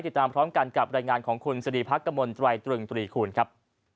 ติดตามพร้อมกันกับรายงานของคุณสรีพักกมลตรายตรึงตรีคูณครับ